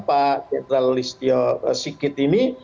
pak jendral listio sigit ini